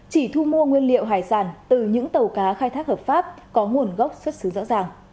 chỉ thu mua nguyên liệu hải sản từ những tàu cá khai thác hợp pháp có nguồn gốc xuất xứ rõ ràng